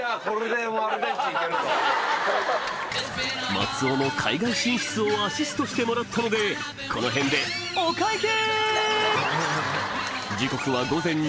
松尾の海外進出をアシストしてもらったのでこの辺でお会計！